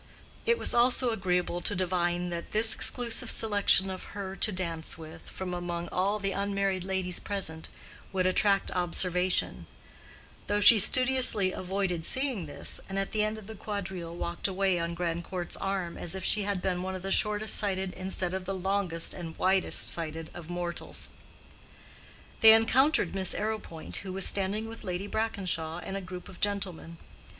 It was also agreeable to divine that this exclusive selection of her to dance with, from among all the unmarried ladies present, would attract observation; though she studiously avoided seeing this, and at the end of the quadrille walked away on Grandcourt's arm as if she had been one of the shortest sighted instead of the longest and widest sighted of mortals. They encountered Miss Arrowpoint, who was standing with Lady Brackenshaw and a group of gentlemen.